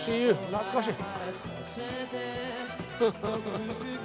懐かしい。